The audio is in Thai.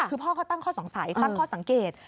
คือพ่อเขาตั้งข้อสงสัยตั้งข้อสังเกต